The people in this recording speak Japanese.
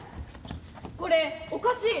これおかしい。